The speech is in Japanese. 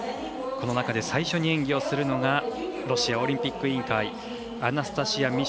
この中で最初に演技をするのがロシアオリンピック委員会アナスタシヤ